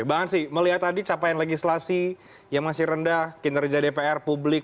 bang ansi melihat tadi capaian legislasi yang masih rendah kinerja dpr publik